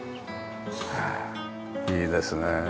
はあいいですね。